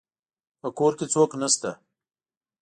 په کور کي څوک نسته